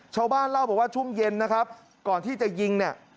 ชาวบ้านเล่าบอกว่าช่วงเย็นนะครับก่อนที่จะยิงเนี่ย